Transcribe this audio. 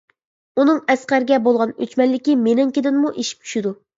ئۇنىڭ ئەسقەرگە بولغان ئۆچمەنلىكى مېنىڭكىدىنمۇ ئېشىپ چۈشىدۇ.